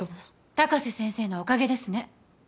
高瀬先生のおかげですね。